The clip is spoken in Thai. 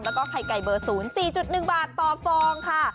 แล้วก็ไข่ไก่เบอร์๐๔๑บาทต่อฟองค่ะ